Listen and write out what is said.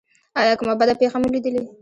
ایا کومه بده پیښه مو لیدلې؟